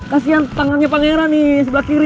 kasian tangannya pangeran nih sebelah kiri